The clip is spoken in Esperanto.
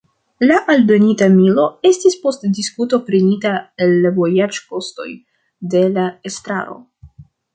La aldonita milo estis post diskuto prenita el vojaĝkostoj de la estraro.